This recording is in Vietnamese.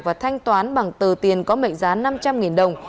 và thanh toán bằng tờ tiền có mệnh giá năm trăm linh đồng